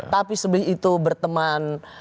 tapi sebelum itu berteman